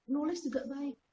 nulis juga baik